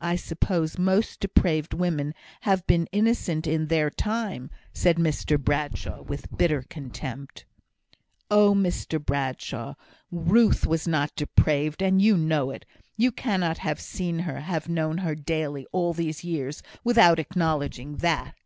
"I suppose most depraved women have been innocent in their time," said Mr Bradshaw, with bitter contempt. "Oh, Mr Bradshaw! Ruth was not depraved, and you know it. You cannot have seen her have known her daily, all these years, without acknowledging that!"